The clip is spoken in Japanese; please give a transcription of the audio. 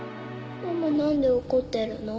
ママなんで怒ってるの？